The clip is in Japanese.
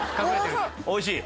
おいしい！